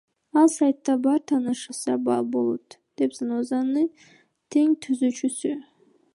Ал сайтта бар, таанышса болот, — деди Занозанын тең түзүүчүсү.